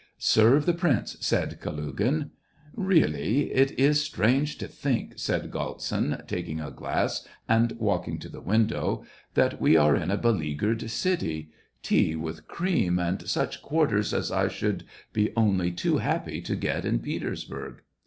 " Serve the prince," said Kalugin. "Really, it is strange to think," said Galtsin, taking a glass, and walking to the window, " that we are in a beleaguered city ; tea with cream, and such quarters as I should be only too happy to get in Petersburg."